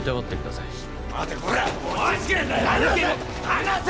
離せ！